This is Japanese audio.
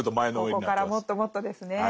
ここからもっともっとですね。